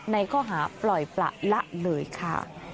ในข้อหาปล่อยประละเลยค่ะ